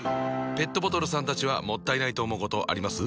ペットボトルさんたちはもったいないと思うことあります？